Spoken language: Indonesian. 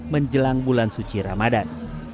menjelang bulan suci ramadan